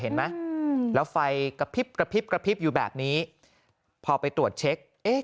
เห็นไหมอืมแล้วไฟกระพริบกระพริบกระพริบอยู่แบบนี้พอไปตรวจเช็คเอ๊ะ